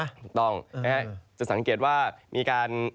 ถูกต้องนะฮะจะสังเกตว่ามีการ